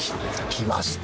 来ました。